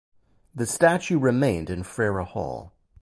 The statue remained in Frere Hall.